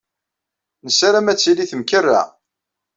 Nessaram ad d-tili temkerra.